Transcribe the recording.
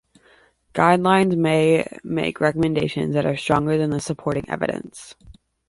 Guidelines may make recommendations that are stronger than the supporting evidence.